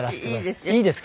いいですよ。